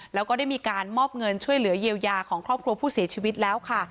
แล้วก็ได้มีการมอบเงินช่วยเหลือเยียวยาของครอบครัวผู้เสียชีวิตแล้วค่ะ